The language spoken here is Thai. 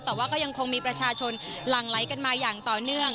แต่ว่าก็ยังคงมีประชาชนหลั่งไหลกันมาอย่างต่อเนื่อง